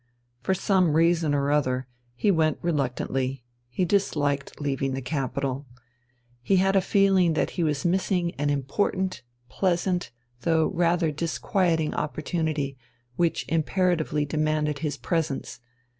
For some reason or other, he went reluctantly, he disliked leaving the capital. He had a feeling that he was missing an important, pleasant, though rather disquieting opportunity, which imperatively demanded his presence.